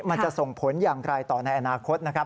มันจะส่งผลอย่างใกล้ต่อในอนาคต